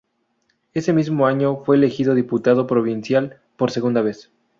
Ese mismo año fue elegido diputado provincial por segunda vez.